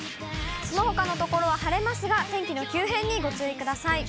そのほかの所は晴れますが、天気の急変にご注意ください。